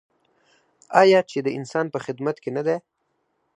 آیا چې د انسان په خدمت کې نه دی؟